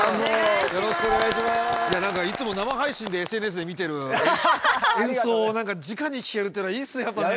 いつも生配信でＳＮＳで見てる演奏をじかに聴けるというのはいいっすねやっぱね。